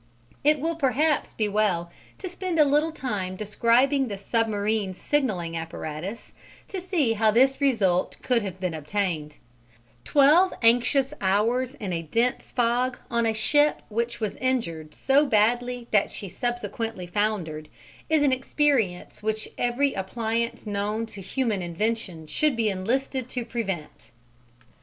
It will perhaps be well to spend a little time describing the submarine signalling apparatus to see how this result could have been obtained: twelve anxious hours in a dense fog on a ship which was injured so badly that she subsequently foundered, is an experience which every appliance known to human invention should be enlisted to prevent.